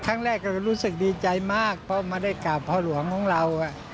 ครั้งแรกก็รู้สึกดีใจมากเพราะมาได้กราบพ่อหลวงของเรา